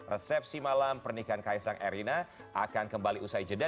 resepsi malam pernikahan kaisang erina akan kembali usai jeda